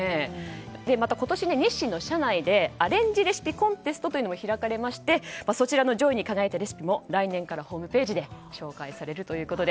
また、今年、日清の社内でアレンジレシピコンテストも開かれまして、そちらの上位に輝いたレシピも来年からホームページで紹介されるということで。